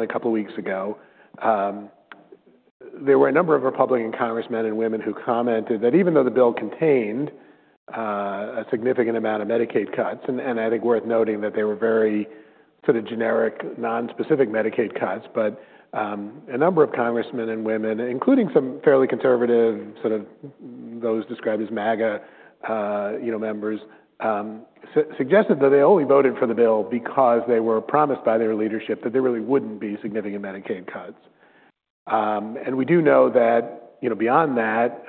A couple of weeks ago, there were a number of Republican congressmen and women who commented that even though the bill contained a significant amount of Medicaid cuts—and, and I think worth noting that they were very sort of generic, non-specific Medicaid cuts—but, a number of congressmen and women, including some fairly conservative, sort of those described as MAGA, you know, members, suggested that they only voted for the bill because they were promised by their leadership that there really wouldn't be significant Medicaid cuts. We do know that, you know, beyond that,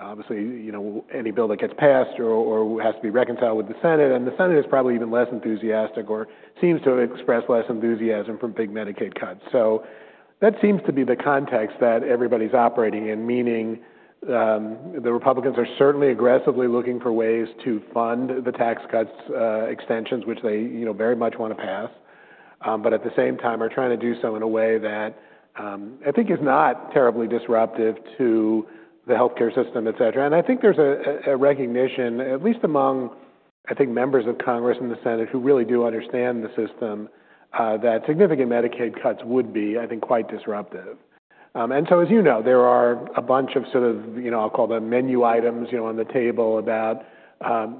obviously, you know, any bill that gets passed or, or has to be reconciled with the Senate, and the Senate is probably even less enthusiastic or seems to express less enthusiasm for big Medicaid cuts. That seems to be the context that everybody's operating in, meaning, the Republicans are certainly aggressively looking for ways to fund the tax cuts, extensions, which they, you know, very much want to pass, but at the same time are trying to do so in a way that, I think, is not terribly disruptive to the healthcare system, etc. I think there's a recognition, at least among, I think, members of Congress and the Senate who really do understand the system, that significant Medicaid cuts would be, I think, quite disruptive. As you know, there are a bunch of sorts of, you know, I'll call them menu items, you know, on the table about,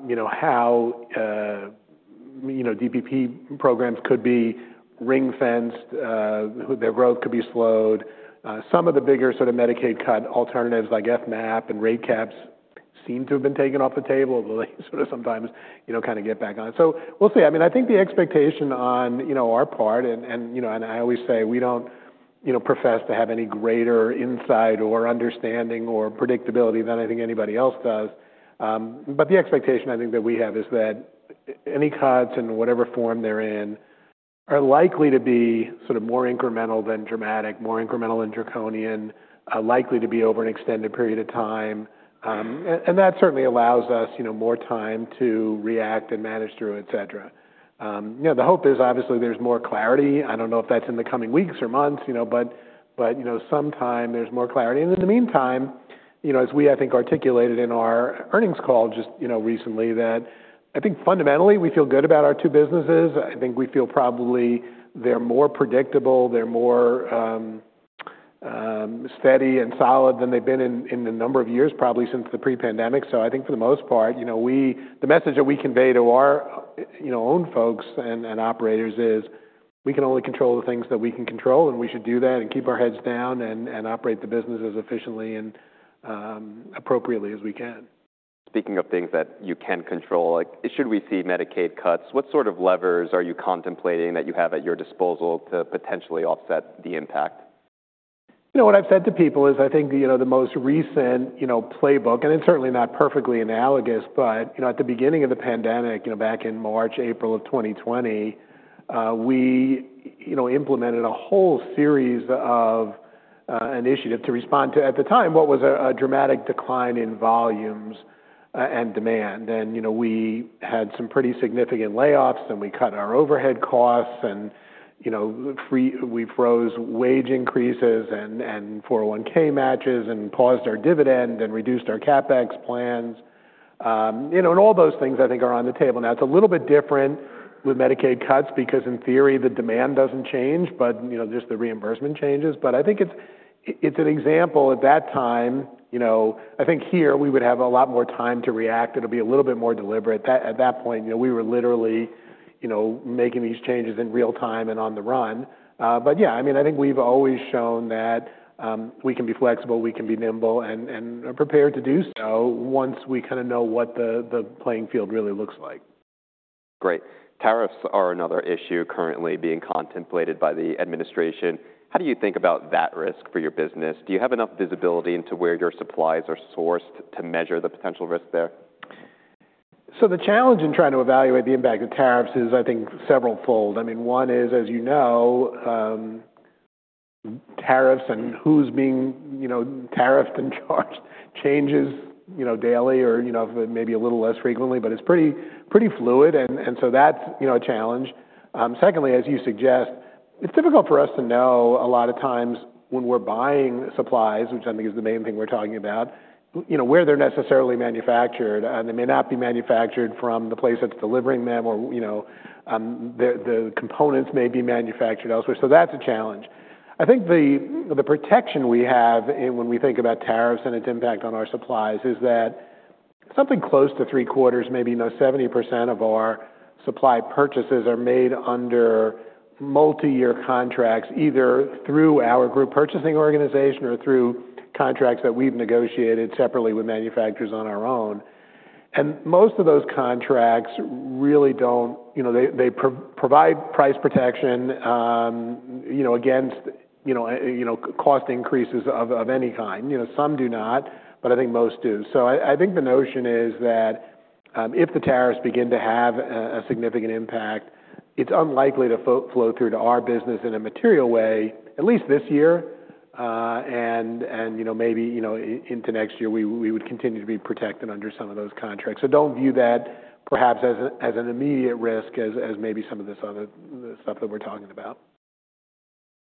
you know, how, you know, DPP programs could be ring-fenced, their growth could be slowed. Some of the bigger sort of Medicaid cut alternatives like FMAP and rate caps seem to have been taken off the table, though they sort of sometimes, you know, kind of get back on. We'll see. I mean, I think the expectation on, you know, our part, and, you know, I always say we don't, you know, profess to have any greater insight or understanding or predictability than I think anybody else does. The expectation I think that we have is that any cuts in whatever form they're in are likely to be sort of more incremental than dramatic, more incremental than draconian, likely to be over an extended period of time. That certainly allows us, you know, more time to react and manage through, etc. You know, the hope is obviously there's more clarity. I don't know if that's in the coming weeks or months, you know, but, you know, sometime there's more clarity. In the meantime, you know, as we, I think, articulated in our earnings call just, you know, recently, I think fundamentally we feel good about our two businesses. I think we feel probably they're more predictable, they're more steady and solid than they've been in the number of years probably since the pre-pandemic. For the most part, you know, the message that we convey to our, you know, own folks and operators is we can only control the things that we can control, and we should do that and keep our heads down and operate the business as efficiently and appropriately as we can. Speaking of things that you can control, like, should we see Medicaid cuts, what sort of levers are you contemplating that you have at your disposal to potentially offset the impact? You know, what I've said to people is I think, you know, the most recent, you know, playbook, and it's certainly not perfectly analogous, but, you know, at the beginning of the pandemic, you know, back in March, April of 2020, we, you know, implemented a whole series of initiatives to respond to, at the time, what was a dramatic decline in volumes, and demand. And, you know, we had some pretty significant layoffs, and we cut our overhead costs, and, you know, we froze wage increases and, and 401(k) matches and paused our dividend and reduced our CapEx plans. You know, and all those things I think are on the table now. It's a little bit different with Medicaid cuts because in theory the demand doesn't change, but, you know, just the reimbursement changes. I think it's an example at that time, you know, I think here we would have a lot more time to react. It'll be a little bit more deliberate. At that point, you know, we were literally, you know, making these changes in real time and on the run. Yeah, I mean, I think we've always shown that we can be flexible, we can be nimble, and prepared to do so once we kind of know what the playing field really looks like. Great. Tariffs are another issue currently being contemplated by the administration. How do you think about that risk for your business? Do you have enough visibility into where your supplies are sourced to measure the potential risk there? The challenge in trying to evaluate the impact of tariffs is, I think, several-fold. I mean, one is, as you know, tariffs and who's being, you know, tariffed and charged changes, you know, daily or, you know, maybe a little less frequently, but it's pretty, pretty fluid. That is a challenge. Secondly, as you suggest, it's difficult for us to know a lot of times when we're buying supplies, which I think is the main thing we're talking about, you know, where they're necessarily manufactured, and they may not be manufactured from the place that's delivering them or, you know, the components may be manufactured elsewhere. That is a challenge. I think the protection we have in when we think about tariffs and its impact on our supplies is that something close to three quarters, maybe, you know, 70% of our supply purchases are made under multi-year contracts, either through our group purchasing organization or through contracts that we've negotiated separately with manufacturers on our own. Most of those contracts really don't, you know, they provide price protection, you know, against, you know, cost increases of any kind. You know, some do not, but I think most do. I think the notion is that, if the tariffs begin to have a significant impact, it's unlikely to flow through to our business in a material way, at least this year. You know, maybe into next year, we would continue to be protected under some of those contracts. Don't view that perhaps as an immediate risk as maybe some of this other stuff that we're talking about.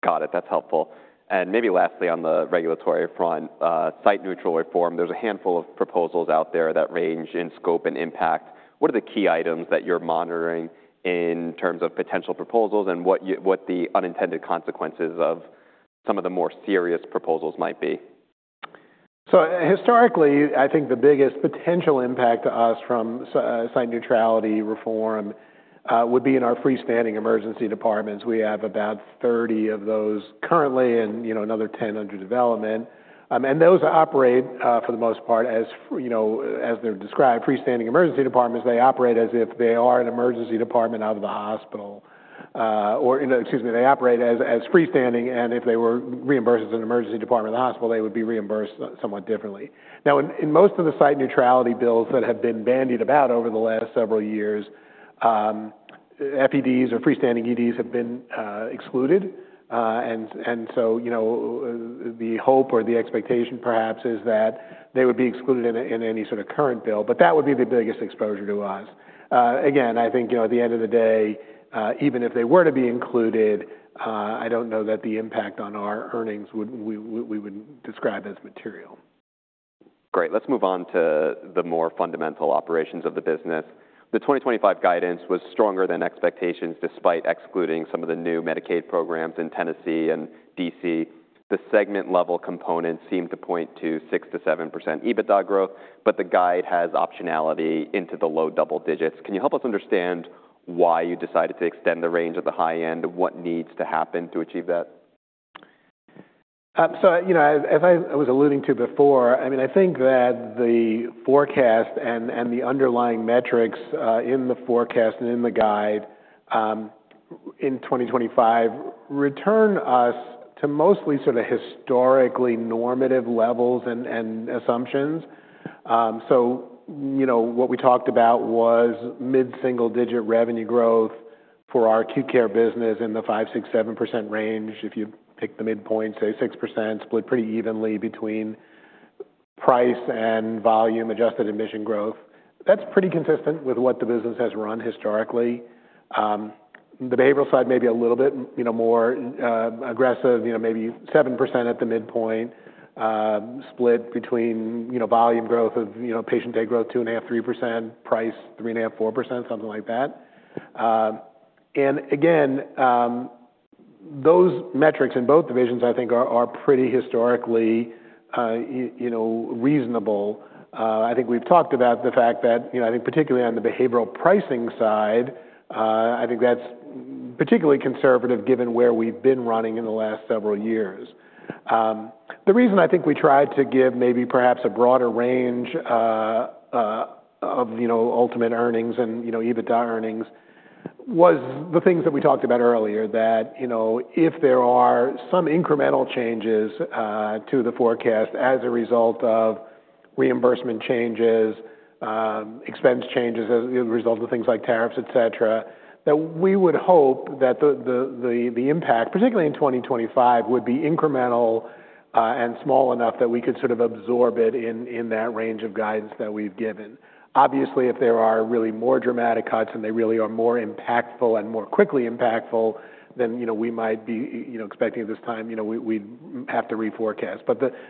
Got it. That's helpful. Maybe lastly, on the regulatory front, site-neutral reform, there's a handful of proposals out there that range in scope and impact. What are the key items that you're monitoring in terms of potential proposals and what you, what the unintended consequences of some of the more serious proposals might be? Historically, I think the biggest potential impact to us from site neutrality reform would be in our freestanding emergency departments. We have about 30 of those currently and, you know, another 10 under development. Those operate, for the most part, as, you know, as they're described, freestanding emergency departments. They operate as if they are an emergency department out of the hospital, or, you know, excuse me, they operate as freestanding. If they were reimbursed as an emergency department of the hospital, they would be reimbursed somewhat differently. Now, in most of the site neutrality bills that have been bandied about over the last several years, FEDs or freestanding EDs have been excluded. And, you know, the hope or the expectation perhaps is that they would be excluded in any sort of current bill, but that would be the biggest exposure to us. Again, I think, you know, at the end of the day, even if they were to be included, I don't know that the impact on our earnings would, we would describe as material. Great. Let's move on to the more fundamental operations of the business. The 2025 guidance was stronger than expectations despite excluding some of the new Medicaid programs in Tennessee and Washington, D.C. The segment-level component seemed to point to 6-7% EBITDA growth, but the guide has optionality into the low double digits. Can you help us understand why you decided to extend the range at the high end? What needs to happen to achieve that? As I was alluding to before, I mean, I think that the forecast and the underlying metrics in the forecast and in the guide in 2025 return us to mostly sort of historically normative levels and assumptions. You know, what we talked about was mid-single-digit revenue growth for our acute care business in the 5-7% range. If you pick the midpoint, say 6%, split pretty evenly between price and volume adjusted admission growth, that's pretty consistent with what the business has run historically. The behavioral side may be a little bit, you know, more aggressive, you know, maybe 7% at the midpoint, split between, you know, volume growth of, you know, patient day growth, 2.5-3%, price 3.5-4%, something like that. Again, those metrics in both divisions, I think, are pretty historically, you know, reasonable. I think we've talked about the fact that, you know, I think particularly on the behavioral pricing side, I think that's particularly conservative given where we've been running in the last several years. The reason I think we tried to give maybe perhaps a broader range of, you know, ultimate earnings and, you know, EBITDA earnings was the things that we talked about earlier that, you know, if there are some incremental changes to the forecast as a result of reimbursement changes, expense changes as a result of things like tariffs, etc., that we would hope that the impact, particularly in 2025, would be incremental, and small enough that we could sort of absorb it in that range of guidance that we've given. Obviously, if there are really more dramatic cuts and they really are more impactful and more quickly impactful than, you know, we might be, you know, expecting at this time, you know, we, we'd have to reforecast.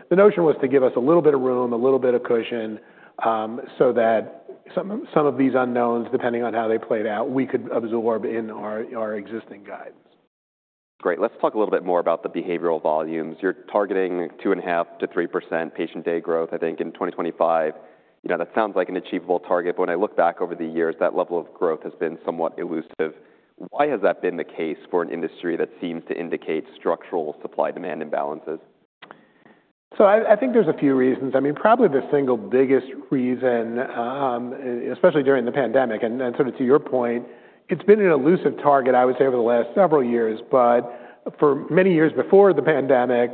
The notion was to give us a little bit of room, a little bit of cushion, so that some, some of these unknowns, depending on how they played out, we could absorb in our, our existing guidance. Great. Let's talk a little bit more about the behavioral volumes. You're targeting 2.5-3% patient day growth, I think, in 2025. You know, that sounds like an achievable target, but when I look back over the years, that level of growth has been somewhat elusive. Why has that been the case for an industry that seems to indicate structural supply-demand imbalances? I think there's a few reasons. I mean, probably the single biggest reason, especially during the pandemic, and sort of to your point, it's been an elusive target, I would say, over the last several years. For many years before the pandemic,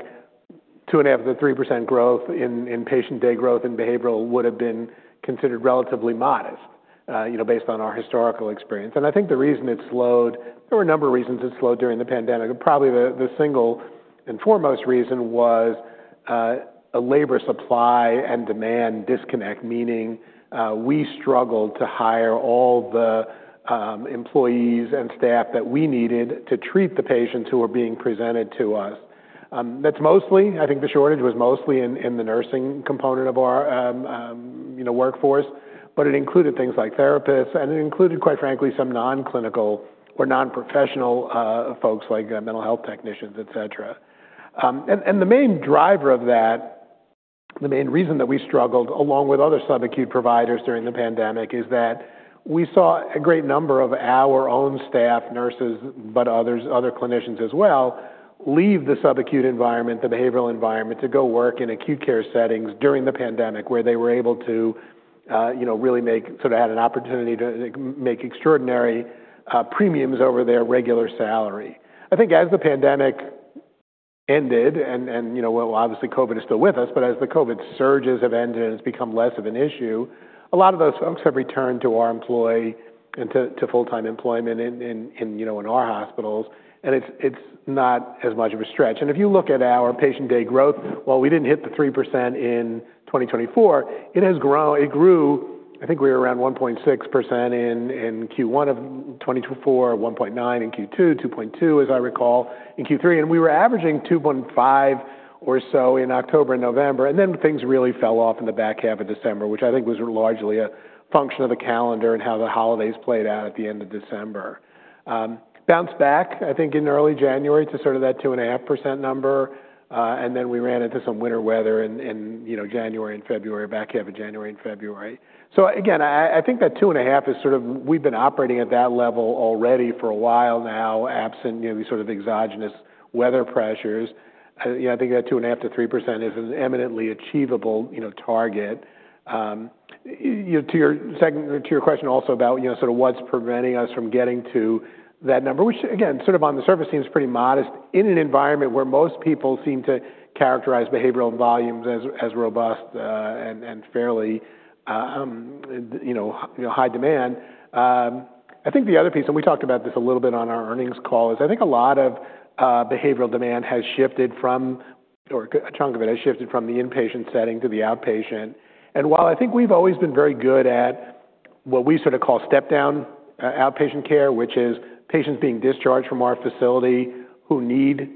2.5-3% growth in patient day growth in behavioral would have been considered relatively modest, you know, based on our historical experience. I think the reason it slowed, there were a number of reasons it slowed during the pandemic. Probably the single and foremost reason was a labor supply and demand disconnect, meaning we struggled to hire all the employees and staff that we needed to treat the patients who were being presented to us. That's mostly, I think the shortage was mostly in the nursing component of our, you know, workforce, but it included things like therapists, and it included, quite frankly, some non-clinical or non-professional folks like mental health technicians, etc. The main driver of that, the main reason that we struggled along with other subacute providers during the pandemic is that we saw a great number of our own staff, nurses, but others, other clinicians as well, leave the subacute environment, the behavioral environment, to go work in acute care settings during the pandemic where they were able to, you know, really make, sort of had an opportunity to make extraordinary premiums over their regular salary. I think as the pandemic ended and, you know, obviously COVID is still with us, but as the COVID surges have ended and it's become less of an issue, a lot of those folks have returned to our employee and to full-time employment in our hospitals. It's not as much of a stretch. If you look at our patient day growth, while we didn't hit the 3% in 2024, it has grown. It grew, I think we were around 1.6% in Q1 of 2024, 1.9% in Q2, 2.2% as I recall in Q3. We were averaging 2.5% or so in October and November. Things really fell off in the back half of December, which I think was largely a function of the calendar and how the holidays played out at the End of December. Bounced back, I think, in early January to sort of that 2.5% number. Then we ran into some winter weather in, in, you know, January and February, back half of January and February. I think that 2.5% is sort of, we've been operating at that level already for a while now, absent, you know, these sort of exogenous weather pressures. I think that 2.5%-3% is an eminently achievable, you know, target. You know, to your second, to your question also about, you know, sort of what's preventing us from getting to that number, which again, sort of on the surface seems pretty modest in an environment where most people seem to characterize behavioral volumes as, as robust, and, and fairly, you know, you know, high demand. I think the other piece, and we talked about this a little bit on our earnings call, is I think a lot of behavioral demand has shifted from, or a chunk of it has shifted from the inpatient setting to the outpatient. While I think we've always been very good at what we sort of call step-down, outpatient care, which is patients being discharged from our facility who need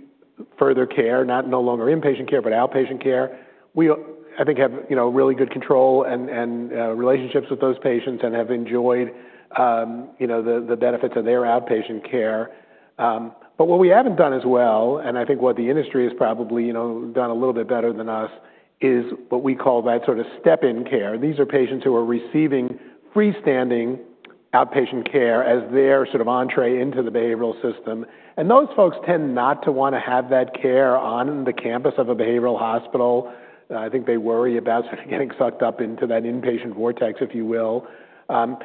further care, not no longer inpatient care, but outpatient care, we, I think, have, you know, really good control and relationships with those patients and have enjoyed, you know, the benefits of their outpatient care. What we haven't done as well, and I think what the industry has probably, you know, done a little bit better than us, is what we call that sort of step-in care. These are patients who are receiving freestanding outpatient care as their sort of entree into the behavioral system. Those folks tend not to want to have that care on the campus of a behavioral hospital. I think they worry about sort of getting sucked up into that inpatient vortex, if you will. You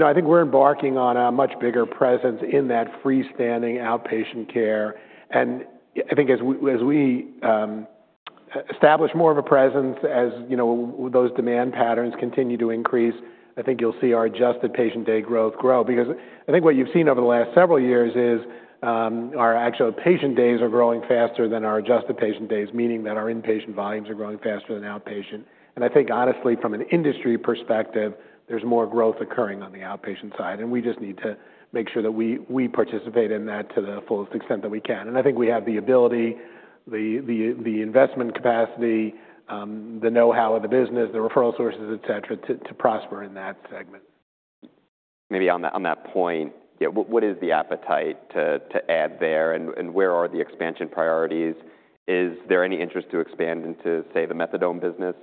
know, I think we're embarking on a much bigger presence in that freestanding outpatient care. I think as we, as we establish more of a presence, as, you know, those demand patterns continue to increase, I think you'll see our adjusted patient day growth grow because I think what you've seen over the last several years is, our actual patient days are growing faster than our adjusted patient days, meaning that our inpatient volumes are growing faster than outpatient. I think honestly, from an industry perspective, there's more growth occurring on the outpatient side. We just need to make sure that we participate in that to the fullest extent that we can. I think we have the ability, the investment capacity, the know-how of the business, the referral sources, etc., to prosper in that segment. Maybe on that point, yeah, what is the appetite to add there and where are the expansion priorities? Is there any interest to expand into, say, the methadone business?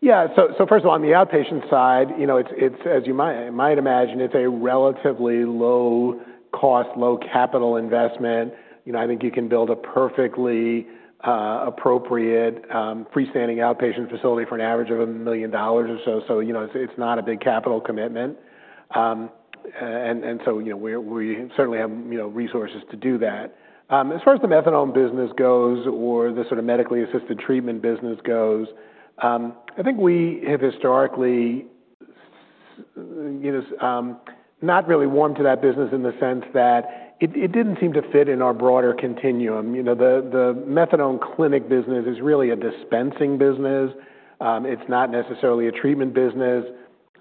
Yeah. First of all, on the outpatient side, you know, it's, as you might imagine, it's a relatively low cost, low capital investment. You know, I think you can build a perfectly appropriate, freestanding outpatient facility for an average of $1 million or so. You know, it's not a big capital commitment, and so, you know, we certainly have, you know, resources to do that. As far as the methadone business goes or the sort of medically assisted treatment business goes, I think we have historically, you know, not really warmed to that business in the sense that it didn't seem to fit in our broader continuum. You know, the methadone clinic business is really a dispensing business. It's not necessarily a treatment business.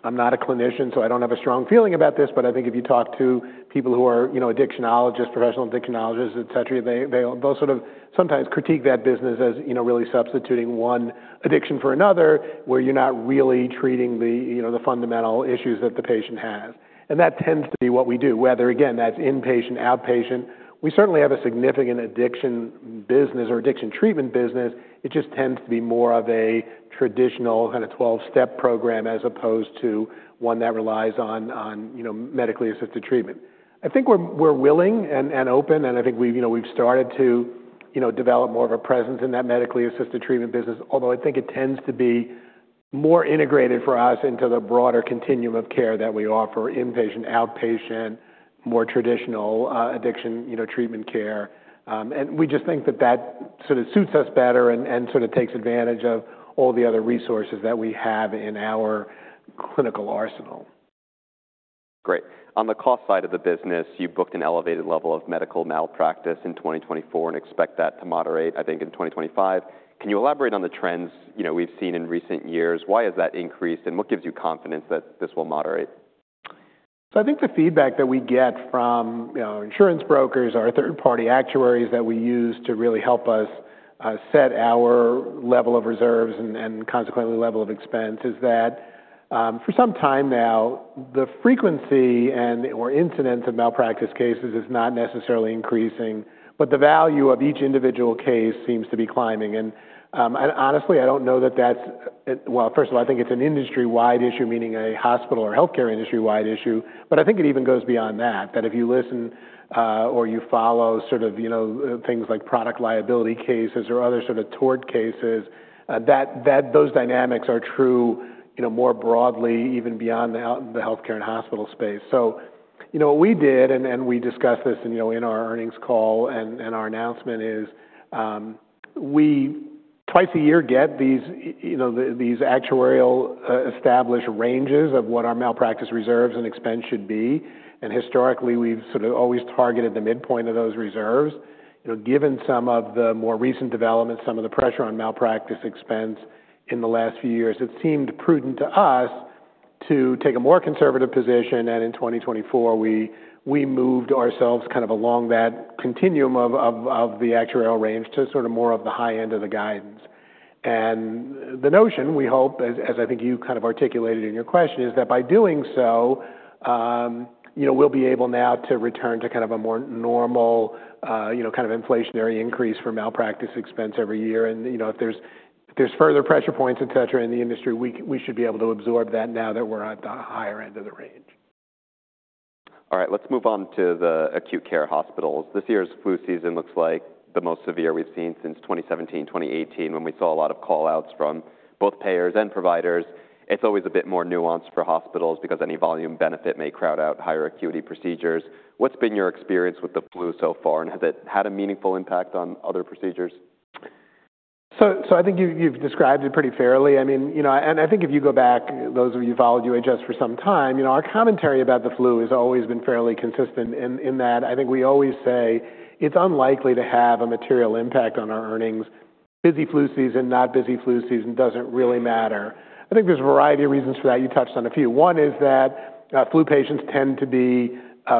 I'm not a clinician, so I don't have a strong feeling about this, but I think if you talk to people who are, you know, addictionologists, professional addictionologists, etc., they'll sort of sometimes critique that business as, you know, really substituting one addiction for another where you're not really treating the, you know, the fundamental issues that the patient has. That tends to be what we do, whether, again, that's inpatient, outpatient. We certainly have a significant addiction business or addiction treatment business. It just tends to be more of a traditional kind of 12-step program as opposed to one that relies on, you know, medically assisted treatment. I think we're willing and open, and I think we've, you know, we've started to, you know, develop more of a presence in that medically assisted treatment business, although I think it tends to be more integrated for us into the broader continuum of care that we offer, inpatient, outpatient, more traditional, addiction, you know, treatment care. We just think that that sort of suits us better and sort of takes advantage of all the other resources that we have in our clinical arsenal. Great. On the cost side of the business, you booked an elevated level of medical malpractice in 2024 and expect that to moderate, I think, in 2025. Can you elaborate on the trends, you know, we've seen in recent years? Why has that increased and what gives you confidence that this will moderate? I think the feedback that we get from, you know, insurance brokers, our third-party actuaries that we use to really help us set our level of reserves and, and consequently level of expense is that, for some time now, the frequency and/or incidence of malpractice cases is not necessarily increasing, but the value of each individual case seems to be climbing. I honestly, I don't know that that's, first of all, I think it's an industry-wide issue, meaning a hospital or healthcare industry-wide issue, but I think it even goes beyond that, that if you listen, or you follow sort of, you know, things like product liability cases or other sort of tort cases, that those dynamics are true, you know, more broadly, even beyond the healthcare and hospital space. You know, what we did, and we discussed this, you know, in our earnings call and our announcement is, we twice a year get these, you know, these actuarial, established ranges of what our malpractice reserves and expense should be. Historically, we've sort of always targeted the midpoint of those reserves. You know, given some of the more recent developments, some of the pressure on malpractice expense in the last few years, it seemed prudent to us to take a more conservative position. In 2024, we moved ourselves kind of along that continuum of the actuarial range to sort of more of the high end of the guidance. The notion, we hope, as I think you kind of articulated in your question, is that by doing so, you know, we'll be able now to return to kind of a more normal, you know, kind of inflationary increase for malpractice expense every year. And, you know, if there's, if there's further pressure points, etc., in the industry, we should be able to absorb that now that we're at the higher end of the range. All right. Let's move on to the acute care hospitals. This year's flu season looks like the most severe we've seen since 2017, 2018, when we saw a lot of callouts from both payers and providers. It's always a bit more nuanced for hospitals because any volume benefit may crowd out higher acuity procedures. What's been your experience with the flu so far, and has it had a meaningful impact on other procedures? I think you've described it pretty fairly. I mean, you know, and I think if you go back, those of you who followed UHS for some time, you know, our commentary about the flu has always been fairly consistent in that I think we always say it's unlikely to have a material impact on our earnings. Busy flu season, not busy flu season doesn't really matter. I think there's a variety of reasons for that. You touched on a few. One is that flu patients tend to be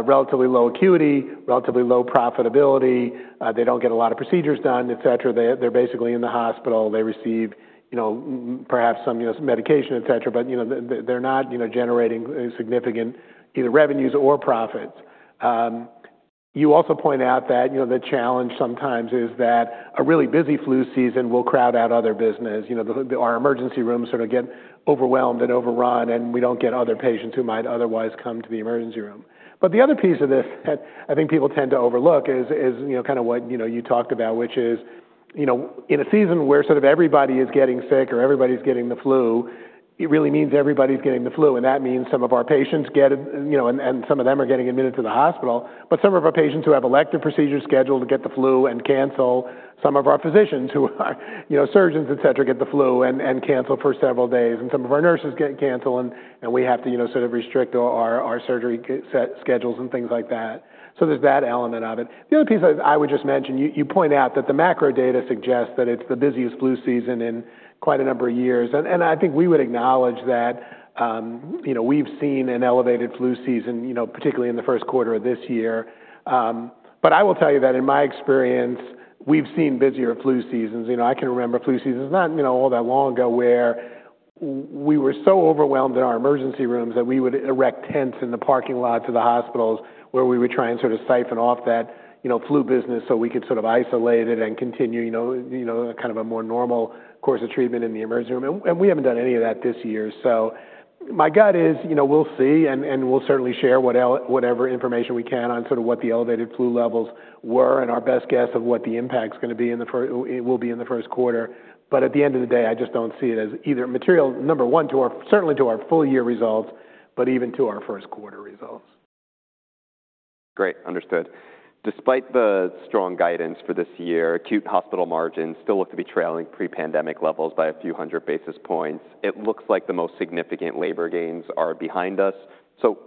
relatively low acuity, relatively low profitability. They don't get a lot of procedures done, etc. They, they're basically in the hospital. They receive, you know, perhaps some, you know, medication, etc., but, you know, they're not, you know, generating significant either revenues or profits. You also point out that, you know, the challenge sometimes is that a really busy flu season will crowd out other business. You know, our emergency rooms sort of get overwhelmed and overrun, and we don't get other patients who might otherwise come to the emergency room. The other piece of this that I think people tend to overlook is, you know, kind of what, you know, you talked about, which is, you know, in a season where sort of everybody is getting sick or everybody's getting the flu, it really means everybody's getting the flu. That means some of our patients get, you know, and some of them are getting admitted to the hospital, but some of our patients who have elective procedures scheduled get the flu and cancel, some of our physicians who are, you know, surgeons, etc., get the flu and cancel for several days. Some of our nurses get canceled, and we have to, you know, sort of restrict our surgery schedules and things like that. There is that element of it. The other piece I would just mention, you point out that the macro data suggests that it is the busiest flu season in quite a number of years. I think we would acknowledge that, you know, we have seen an elevated flu season, particularly in the first quarter of this year. I will tell you that in my experience, we've seen busier flu seasons. You know, I can remember flu seasons, not, you know, all that long ago where we were so overwhelmed in our emergency rooms that we would erect tents in the parking lot to the hospitals where we would try and sort of siphon off that, you know, flu business so we could sort of isolate it and continue, you know, kind of a more normal course of treatment in the emergency room. We haven't done any of that this year. My gut is, you know, we'll see and we'll certainly share whatever information we can on sort of what the elevated flu levels were and our best guess of what the impact's gonna be in the first, will be in the first quarter. At the end of the day, I just do not see it as either material, number one, to our, certainly to our full year results, but even to our first quarter results. Great. Understood. Despite the strong guidance for this year, acute hospital margins still look to be trailing pre-pandemic levels by a few hundred basis points. It looks like the most significant labor gains are behind us.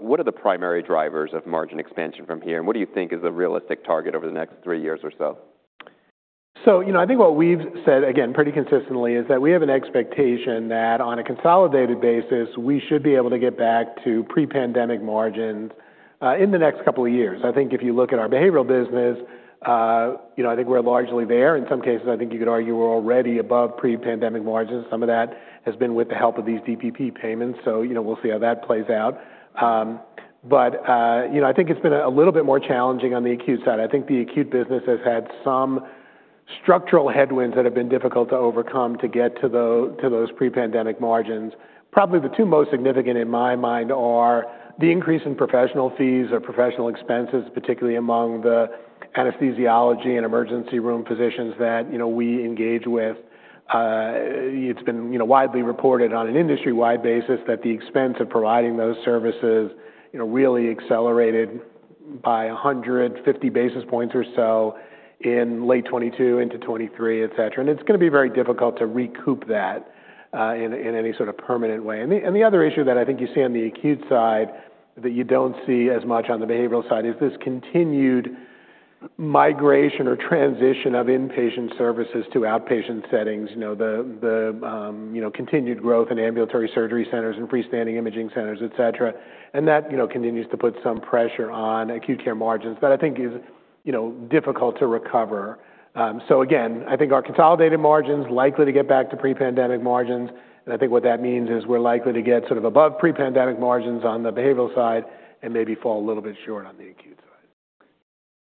What are the primary drivers of margin expansion from here, and what do you think is the realistic target over the next three years or so? You know, I think what we've said, again, pretty consistently is that we have an expectation that on a consolidated basis, we should be able to get back to pre-pandemic margins in the next couple of years. I think if you look at our behavioral business, you know, I think we're largely there. In some cases, I think you could argue we're already above pre-pandemic margins. Some of that has been with the help of these DPP payments. You know, we'll see how that plays out. I think it's been a little bit more challenging on the acute side. I think the acute business has had some structural headwinds that have been difficult to overcome to get to those pre-pandemic margins. Probably the two most significant in my mind are the increase in professional fees or professional expenses, particularly among the anesthesiology and emergency room physicians that, you know, we engage with. It's been, you know, widely reported on an industry-wide basis that the expense of providing those services, you know, really accelerated by 150 basis points or so in late 2022 into 2023, etc. It's gonna be very difficult to recoup that, in, in any sort of permanent way. The other issue that I think you see on the acute side that you don't see as much on the behavioral side is this continued migration or transition of inpatient services to outpatient settings, you know, the, you know, continued growth in ambulatory surgery centers and freestanding imaging centers, etc. That, you know, continues to put some pressure on acute care margins that I think is, you know, difficult to recover. I think our consolidated margins likely to get back to pre-pandemic margins. I think what that means is we're likely to get sort of above pre-pandemic margins on the behavioral side and maybe fall a little bit short on the acute side.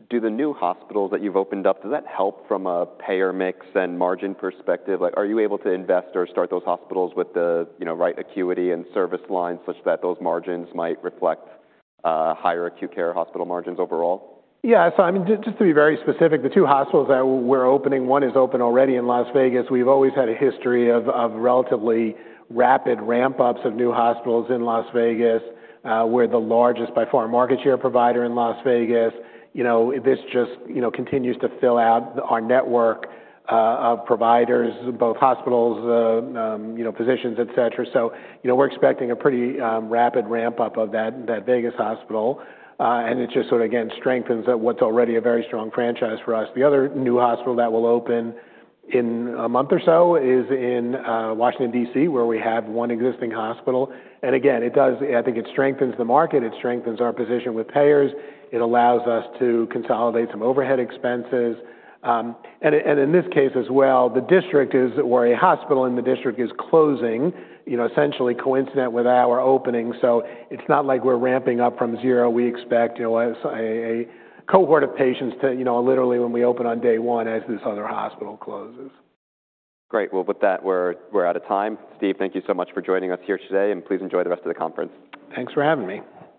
Do the new hospitals that you've opened up, does that help from a payer mix and margin perspective? Like, are you able to invest or start those hospitals with the, you know, right acuity and service lines such that those margins might reflect, higher acute care hospital margins overall? Yeah. I mean, just to be very specific, the two hospitals that we're opening, one is open already in Las Vegas. We've always had a history of relatively rapid ramp-ups of new hospitals in Las Vegas, we're the largest by far market share provider in Las Vegas. You know, this just continues to fill out our network of providers, both hospitals, you know, physicians, etc. You know, we're expecting a pretty rapid ramp-up of that Vegas hospital. It just sort of, again, strengthens what's already a very strong franchise for us. The other new hospital that will open in a month or so is in Washington, D.C., where we have one existing hospital. Again, it does, I think it strengthens the market, it strengthens our position with payers, it allows us to consolidate some overhead expenses. And in this case as well, the District is where a hospital in the District is closing, you know, essentially coincident with our opening. So it's not like we're ramping up from zero. We expect, you know, a cohort of patients to, you know, literally when we open on day one as this other hospital closes. Great. With that, we're out of time. Steve, thank you so much for joining us here today, and please enjoy the rest of the conference. Thanks for having me.